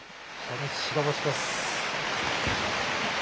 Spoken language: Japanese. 初日、白星です。